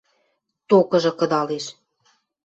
Токыжы кыдалеш.